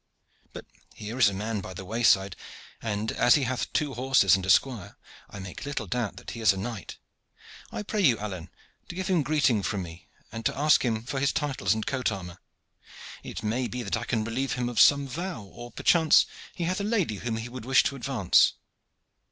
But here is a man by the wayside, and as he hath two horses and a squire I make little doubt that he is a knight. I pray you, Alleyne, to give him greeting from me, and to ask him for his titles and coat armor. It may be that I can relieve him of some vow, or perchance he hath a lady whom he would wish to advance."